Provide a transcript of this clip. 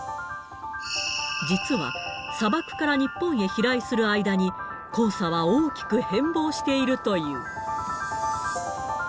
実は、砂漠から日本へ飛来する間に、黄砂は大きく変貌しているという。